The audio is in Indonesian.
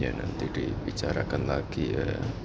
ya nanti dibicarakan lagi ya